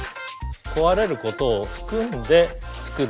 壊れることを含んで作る。